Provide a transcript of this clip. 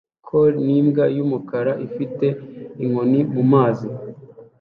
Collie n'imbwa y'umukara ifite inkoni mumazi